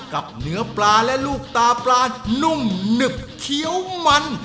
กับเนื้อปลาและลูกตาปลานุ่มหนึบเคี้ยวมัน